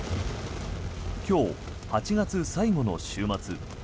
今日、８月最後の週末。